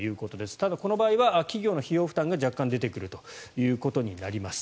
ただこの場合は企業の費用負担が若干出てくることになります。